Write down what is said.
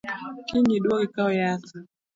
Kiny iduogi ikaw yath